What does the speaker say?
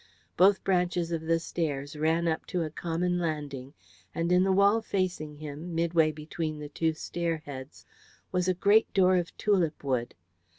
Both branches of the stairs ran up to a common landing, and in the wall facing him, midway between the two stairheads, was a great door of tulip wood.